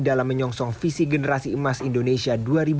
dalam menyongsong visi generasi emas indonesia dua ribu dua puluh